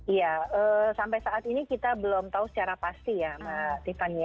iya sampai saat ini kita belum tahu secara pasti ya mbak tiffany